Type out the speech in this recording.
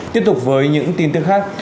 tiếp tục với những tin tức khác